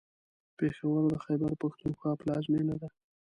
پېښور د خیبر پښتونخوا پلازمېنه ده.